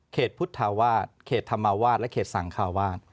พุทธาวาสเขตธรรมวาสและเขตสังคาวาส